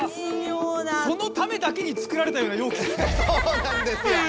このためだけに作られたようなようきですね。